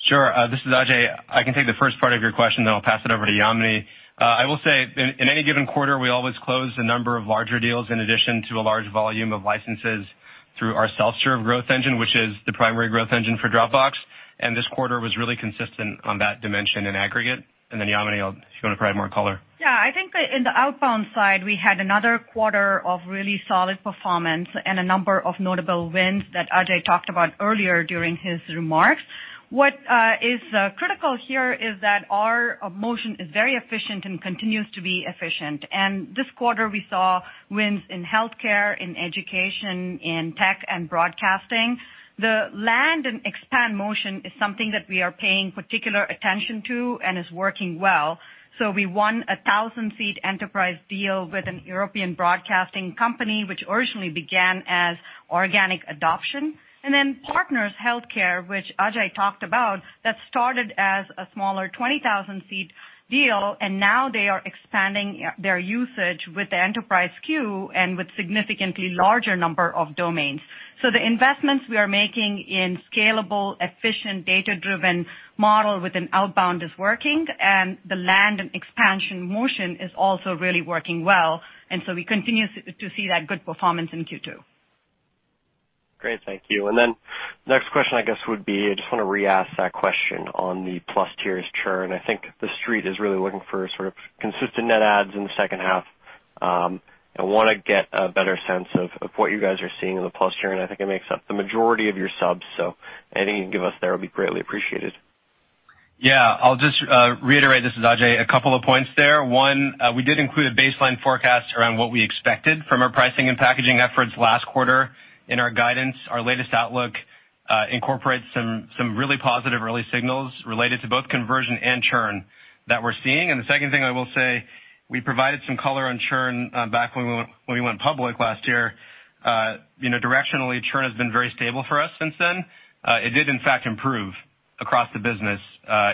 Sure. This is Ajay. I can take the first part of your question, then I'll pass it over to Yamini. I will say, in any given quarter, we always close a number of larger deals in addition to a large volume of licenses through our self-serve growth engine, which is the primary growth engine for Dropbox. This quarter was really consistent on that dimension in aggregate. Yamini, if you want to provide more color. Yeah. I think that in the outbound side, we had another quarter of really solid performance and a number of notable wins that Ajay talked about earlier during his remarks. What is critical here is that our motion is very efficient and continues to be efficient. This quarter, we saw wins in healthcare, in education, in tech, and broadcasting. The land and expand motion is something that we are paying particular attention to and is working well. We won a 1,000-seat enterprise deal with a European broadcasting company, which originally began as organic adoption. Partners HealthCare, which Ajay talked about, that started as a smaller 20,000-seat deal, and now they are expanding their usage with the enterprise SKU and with significantly larger number of domains. The investments we are making in scalable, efficient, data-driven model with an outbound is working, and the land and expansion motion is also really working well. We continue to see that good performance in Q2. Great, thank you. Next question, I guess, would be, I just want to re-ask that question on the Plus tiers churn. I think the street is really looking for sort of consistent net adds in the second half. I want to get a better sense of what you guys are seeing in the Plus tier, and I think it makes up the majority of your subs, so anything you can give us there will be greatly appreciated. Yeah. I'll just reiterate, this is Ajay, a couple of points there. One, we did include a baseline forecast around what we expected from our pricing and packaging efforts last quarter in our guidance. Our latest outlook incorporates some really positive early signals related to both conversion and churn that we're seeing. The second thing I will say, we provided some color on churn back when we went public last year. Directionally, churn has been very stable for us since then. It did in fact improve across the business,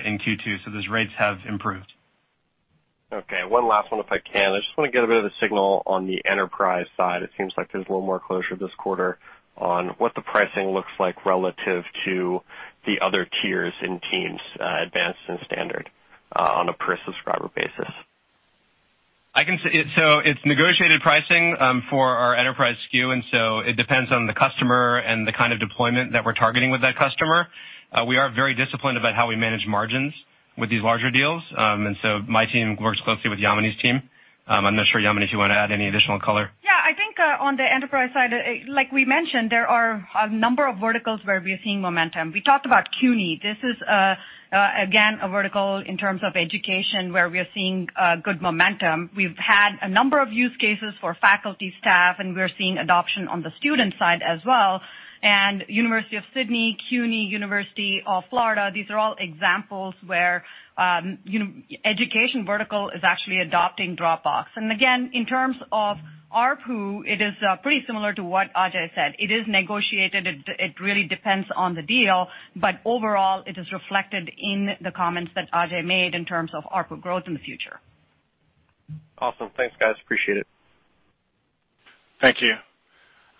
in Q2, so those rates have improved. Okay, one last one if I can. I just want to get a bit of a signal on the enterprise side. It seems like there's a little more closure this quarter on what the pricing looks like relative to the other tiers in Teams, Advanced and Standard, on a per subscriber basis. It's negotiated pricing for our enterprise SKU, it depends on the customer and the kind of deployment that we're targeting with that customer. We are very disciplined about how we manage margins with these larger deals, my team works closely with Yamini's team. I'm not sure, Yamini, if you want to add any additional color. Yeah, I think on the enterprise side, like we mentioned, there are a number of verticals where we are seeing momentum. We talked about CUNY. This is, again, a vertical in terms of education where we are seeing good momentum. We've had a number of use cases for faculty staff, and we're seeing adoption on the student side as well. University of Sydney, CUNY, University of Florida, these are all examples where education vertical is actually adopting Dropbox. Again, in terms of ARPU, it is pretty similar to what Ajay said. It is negotiated, it really depends on the deal, but overall, it is reflected in the comments that Ajay made in terms of ARPU growth in the future. Awesome. Thanks, guys, appreciate it. Thank you.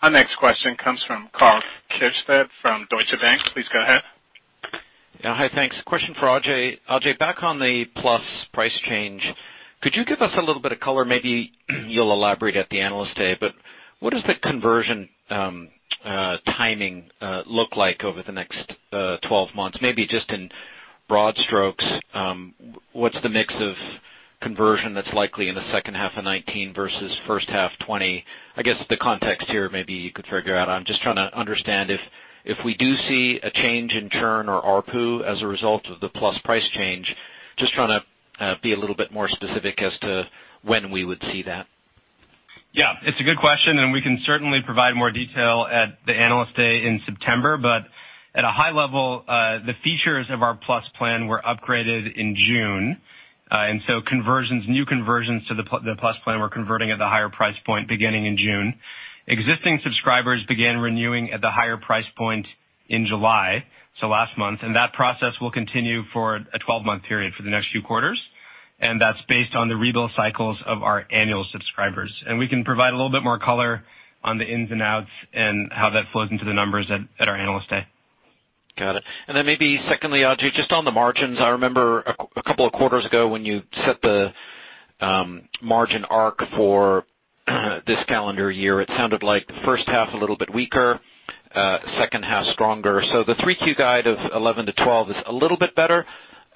Our next question comes from Karl Keirstead from Deutsche Bank. Please go ahead. Hi, thanks. Question for Ajay. Ajay, back on the Plus price change, could you give us a little bit of color, maybe you'll elaborate at the Analyst Day, but what does the conversion timing look like over the next 12 months? Maybe just in broad strokes, what's the mix of conversion that's likely in the second half of 2019 versus first half 2020? I guess the context here, maybe you could figure out, I'm just trying to understand if we do see a change in churn or ARPU as a result of the Plus price change, just trying to be a little bit more specific as to when we would see that. It's a good question, and we can certainly provide more detail at the Analyst Day in September. At a high level, the features of our Plus plan were upgraded in June, and so new conversions to the Plus plan were converting at the higher price point beginning in June. Existing subscribers began renewing at the higher price point in July, so last month, and that process will continue for a 12-month period for the next few quarters, and that's based on the rebill cycles of our annual subscribers. We can provide a little bit more color on the ins and outs and how that flows into the numbers at our Analyst Day. Got it. Maybe secondly, Ajay, just on the margins, I remember a couple of quarters ago when you set the margin arc for this calendar year, it sounded like the first half a little bit weaker, second half stronger. So the 3Q guide of 11%-12% is a little bit better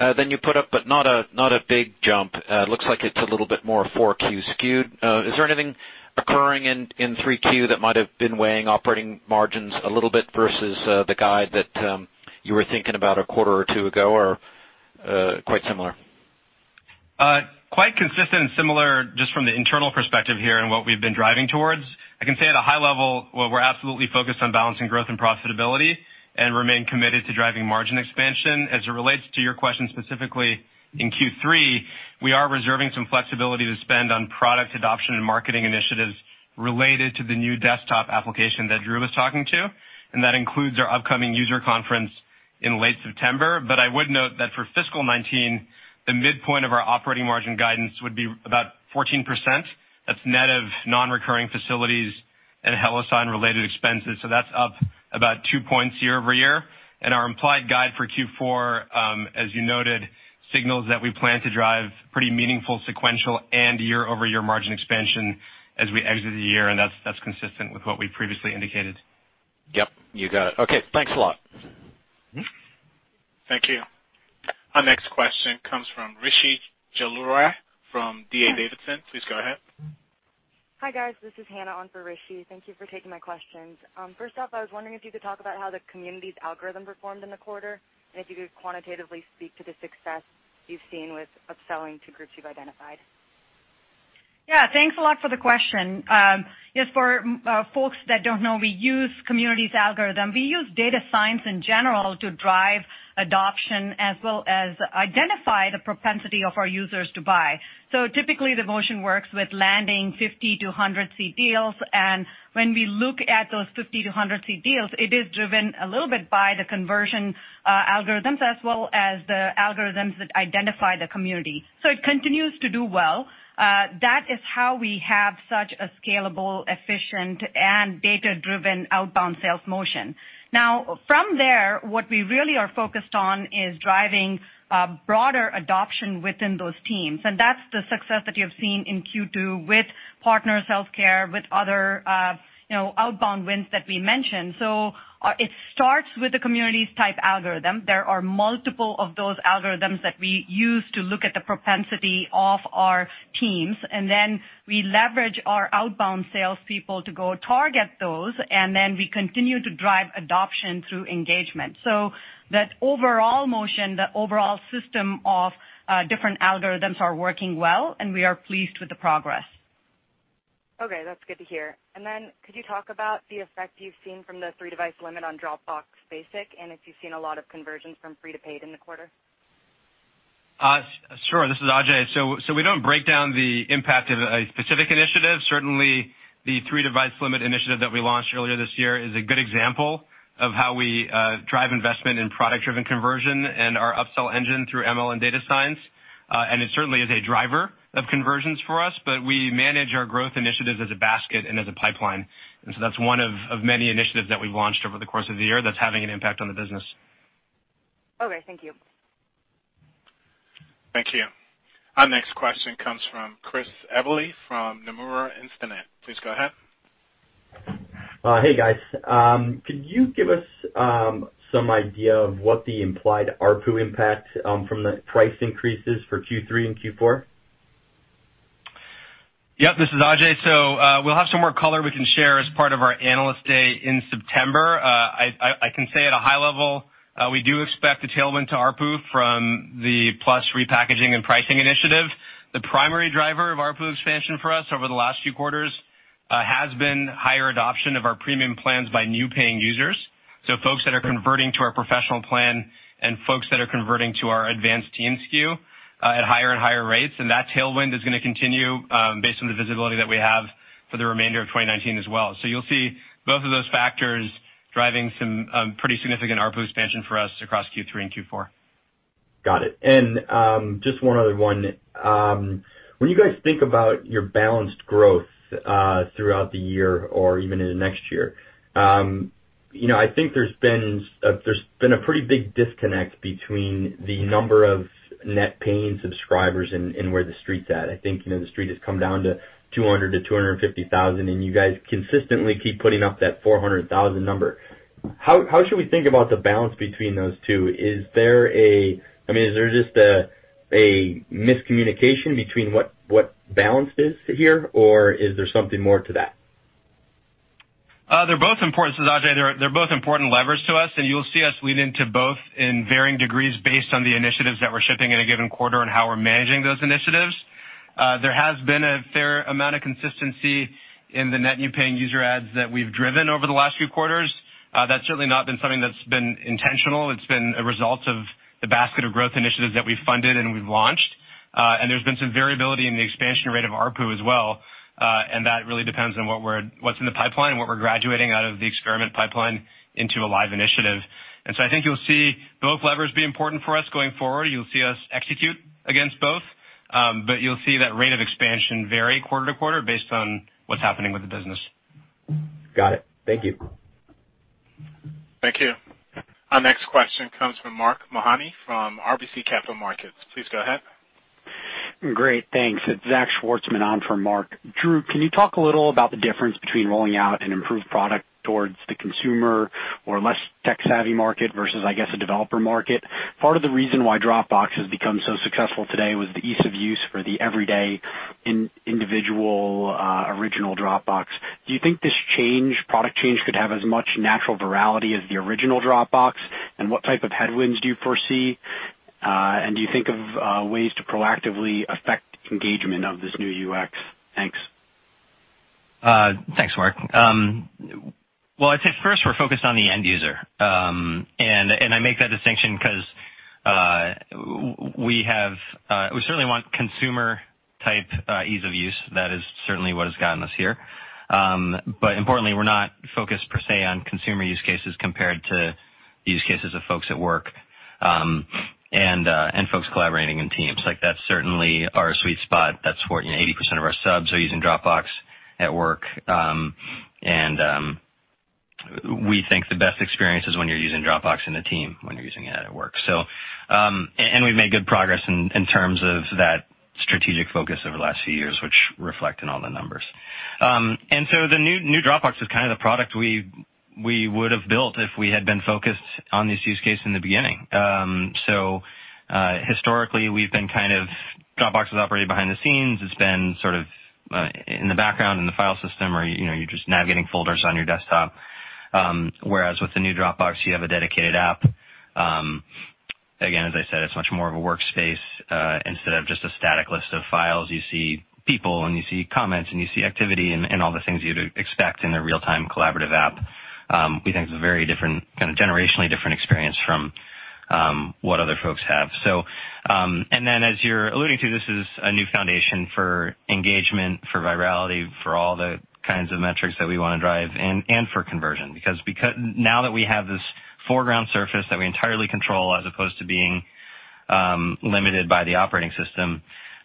than you put up, but not a big jump. Looks like it's a little bit more 4Q skewed. Is there anything occurring in 3Q that might have been weighing operating margins a little bit versus the guide that you were thinking about a quarter or two ago, or quite similar? Quite consistent and similar just from the internal perspective here and what we've been driving towards. I can say at a high level, while we're absolutely focused on balancing growth and profitability and remain committed to driving margin expansion, as it relates to your question specifically in Q3, we are reserving some flexibility to spend on product adoption and marketing initiatives related to the new desktop application that Drew was talking to, and that includes our upcoming user conference in late September. I would note that for fiscal 2019, the midpoint of our operating margin guidance would be about 14%. That's net of non-recurring facilities and HelloSign related expenses, so that's up about two points year-over-year. Our implied guide for Q4, as you noted, signals that we plan to drive pretty meaningful sequential and year-over-year margin expansion as we exit the year, and that's consistent with what we previously indicated. Yep. You got it. Okay, thanks a lot. Thank you. Our next question comes from Rishi Jaluria from D.A. Davidson. Please go ahead. Hi, guys. This is Hannah on for Rishi. Thank you for taking my questions. First off, I was wondering if you could talk about how the computer vision algorithm performed in the quarter, and if you could quantitatively speak to the success you've seen with upselling to groups you've identified. Thanks a lot for the question. For folks that don't know, we use computer vision algorithm. We use data science in general to drive adoption as well as identify the propensity of our users to buy. Typically, the motion works with landing 50 to 100 seat deals, and when we look at those 50 to 100 seat deals, it is driven a little bit by the conversion algorithms as well as the algorithms that identify the community. It continues to do well. That is how we have such a scalable, efficient, and data-driven outbound sales motion. From there, what we really are focused on is driving broader adoption within those teams, and that's the success that you have seen in Q2 with Partners HealthCare, with other outbound wins that we mentioned. It starts with the computer vision type algorithm. There are multiple of those algorithms that we use to look at the propensity of our teams, and then we leverage our outbound salespeople to go target those, and then we continue to drive adoption through engagement. That overall motion, the overall system of different algorithms are working well, and we are pleased with the progress. Okay, that's good to hear. Could you talk about the effect you've seen from the three device limit on Dropbox Basic, and if you've seen a lot of conversions from free to paid in the quarter? Sure. This is Ajay. We don't break down the impact of a specific initiative. Certainly, the three device limit initiative that we launched earlier this year is a good example of how we drive investment in product-driven conversion and our upsell engine through ML and data science. It certainly is a driver of conversions for us, but we manage our growth initiatives as a basket and as a pipeline. That's one of many initiatives that we've launched over the course of the year that's having an impact on the business. Okay, thank you. Thank you. Our next question comes from Christopher Eberle from Nomura Instinet. Please go ahead. Hey, guys. Could you give us some idea of what the implied ARPU impact from the price increase is for Q3 and Q4? Yep. This is Ajay. We'll have some more color we can share as part of our Analyst Day in September. I can say at a high level, we do expect a tailwind to ARPU from the Plus repackaging and pricing initiative. The primary driver of ARPU expansion for us over the last few quarters has been higher adoption of our premium plans by new paying users, so folks that are converting to our professional plan and folks that are converting to our advanced team SKU at higher and higher rates. That tailwind is going to continue based on the visibility that we have for the remainder of 2019 as well. You'll see both of those factors driving some pretty significant ARPU expansion for us across Q3 and Q4. Got it. Just one other one. When you guys think about your balanced growth throughout the year or even into next year, I think there's been a pretty big disconnect between the number of net paying subscribers and where the street's at. I think the street has come down to 200,000-250,000, and you guys consistently keep putting up that 400,000 number. How should we think about the balance between those two? Is there just a miscommunication between what balance is here, or is there something more to that? They're both important. This is Ajay. They're both important levers to us, and you'll see us lean into both in varying degrees based on the initiatives that we're shipping in a given quarter and how we're managing those initiatives. There has been a fair amount of consistency in the net new paying user adds that we've driven over the last few quarters. That's certainly not been something that's been intentional. It's been a result of the basket of growth initiatives that we've funded and we've launched. There's been some variability in the expansion rate of ARPU as well, and that really depends on what's in the pipeline and what we're graduating out of the experiment pipeline into a live initiative. I think you'll see both levers be important for us going forward. You'll see us execute against both. You'll see that rate of expansion vary quarter to quarter based on what's happening with the business. Got it. Thank you. Thank you. Our next question comes from Mark Mahaney from RBC Capital Markets. Please go ahead. Great, thanks. It's Zachary Schwartzman on for Mark. Drew, can you talk a little about the difference between rolling out an improved product towards the consumer or less tech-savvy market versus, I guess, a developer market? Part of the reason why Dropbox has become so successful today was the ease of use for the everyday individual original Dropbox. Do you think this product change could have as much natural virality as the original Dropbox? What type of headwinds do you foresee? Do you think of ways to proactively affect engagement of this new UX? Thanks. Thanks, Mark. Well, I'd say first, we're focused on the end user. I make that distinction because we certainly want consumer-type ease of use. That is certainly what has gotten us here. Importantly, we're not focused per se on consumer use cases compared to the use cases of folks at work and folks collaborating in teams. That's certainly our sweet spot. That's where 80% of our subs are using Dropbox at work. We think the best experience is when you're using Dropbox in a team, when you're using it at work. We've made good progress in terms of that strategic focus over the last few years, which reflect in all the numbers. The new Dropbox is kind of the product we would've built if we had been focused on this use case in the beginning. Historically, Dropbox has operated behind the scenes. It's been sort of in the background, in the file system, or you're just navigating folders on your desktop. Whereas with the new Dropbox, you have a dedicated app. Again, as I said, it's much more of a workspace. Instead of just a static list of files, you see people and you see comments and you see activity and all the things you'd expect in a real-time collaborative app. We think it's a very generationally different experience from what other folks have. As you're alluding to, this is a new foundation for engagement, for virality, for all the kinds of metrics that we want to drive, and for conversion. Because now that we have this foreground surface that we entirely control, as opposed to being limited by the operating system,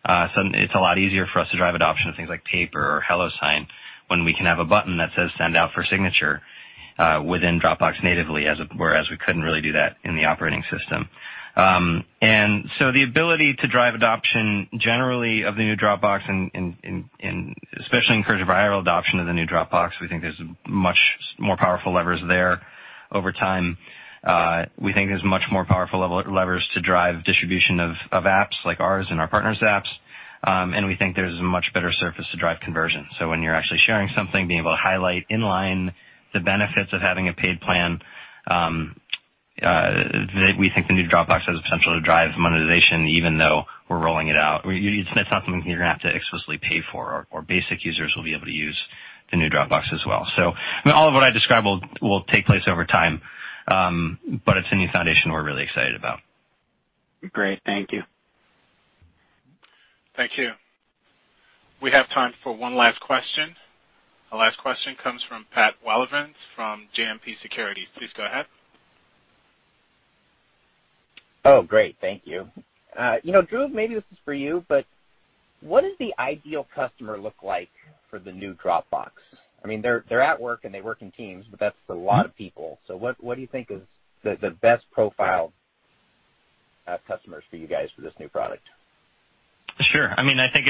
it's a lot easier for us to drive adoption of things like Paper or HelloSign when we can have a button that says "Send out for signature" within Dropbox natively, whereas we couldn't really do that in the operating system. The ability to drive adoption generally of the new Dropbox and especially encourage viral adoption of the new Dropbox, we think there's much more powerful levers there over time. We think there's much more powerful levers to drive distribution of apps like ours and our partners' apps. We think there's a much better surface to drive conversion. When you're actually sharing something, being able to highlight inline the benefits of having a paid plan. We think the new Dropbox has the potential to drive monetization even though we're rolling it out. It's not something you're going to have to explicitly pay for. Our basic users will be able to use the new Dropbox as well. All of what I described will take place over time, but it's a new foundation we're really excited about. Great. Thank you. Thank you. We have time for one last question. Our last question comes from Patrick Walravens from JMP Securities. Please go ahead. Oh, great. Thank you. Drew, maybe this is for you, but what does the ideal customer look like for the new Dropbox? They're at work, and they work in teams, but that's a lot of people. What do you think is the best profile of customers for you guys for this new product? Sure. I think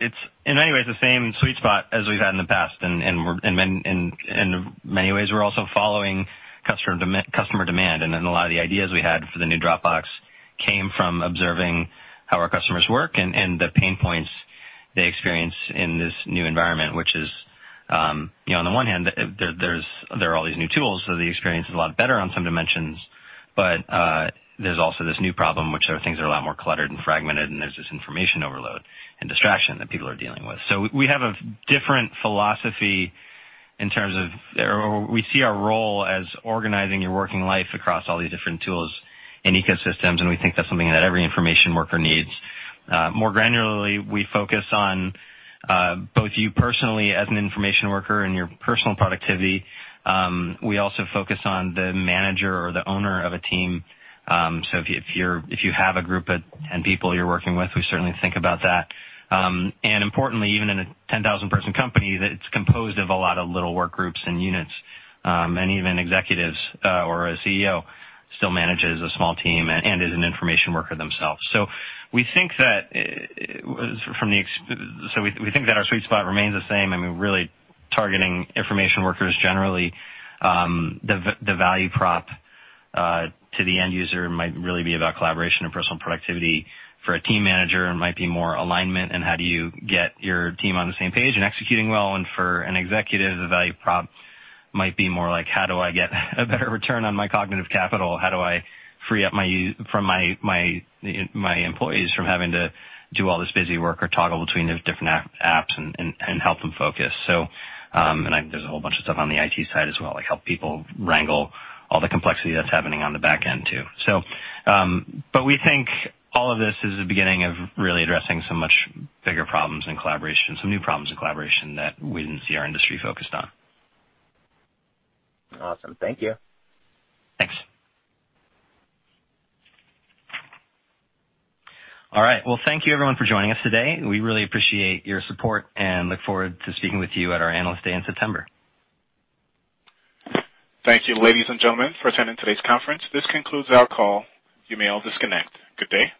it's, in many ways, the same sweet spot as we've had in the past. In many ways, we're also following customer demand. A lot of the ideas we had for the new Dropbox came from observing how our customers work and the pain points they experience in this new environment. Which is, on the one hand, there are all these new tools, so the experience is a lot better on some dimensions. There's also this new problem, which are things are a lot more cluttered and fragmented, and there's this information overload and distraction that people are dealing with. We have a different philosophy. We see our role as organizing your working life across all these different tools and ecosystems, and we think that's something that every information worker needs. More granularly, we focus on both you personally as an information worker and your personal productivity. We also focus on the manager or the owner of a team. If you have a group and people you're working with, we certainly think about that. Importantly, even in a 10,000-person company, it's composed of a lot of little work groups and units. Even executives or a CEO still manages a small team and is an information worker themselves. We think that our sweet spot remains the same. I mean, really targeting information workers generally. The value prop to the end user might really be about collaboration and personal productivity. For a team manager, it might be more alignment and how do you get your team on the same page and executing well. For an executive, the value prop might be more like, how do I get a better return on my cognitive capital? How do I free up from my employees from having to do all this busy work or toggle between those different apps and help them focus? There's a whole bunch of stuff on the IT side as well, like help people wrangle all the complexity that's happening on the back end too. We think all of this is the beginning of really addressing some much bigger problems in collaboration, some new problems in collaboration that we didn't see our industry focused on. Awesome. Thank you. Thanks. All right. Well, thank you, everyone, for joining us today. We really appreciate your support and look forward to speaking with you at our Analyst Day in September. Thank you, ladies and gentlemen, for attending today's conference. This concludes our call. You may all disconnect. Good day.